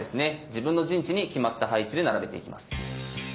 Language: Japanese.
自分の陣地に決まった配置で並べていきます。